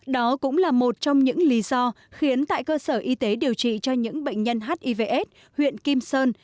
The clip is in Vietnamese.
đó cũng là một trong những lý do khiến tại cơ sở y tế điều trị cho những bệnh nhân hivs huyện kim sơn